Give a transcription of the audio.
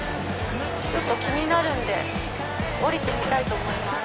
ちょっと気になるんで降りてみたいと思います。